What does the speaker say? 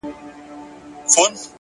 • غټي سترگي شينكى خال د چا د ياد؛